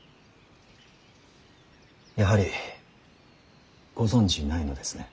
やはりご存じないのですね。